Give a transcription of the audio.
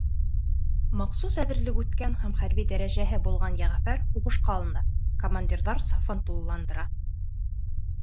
Махсус әҙерлек үткән һәм хәрби дәрәжәһе булған Йәғәфәр һуғышҡа алына, командирҙар сафын тулыландыра.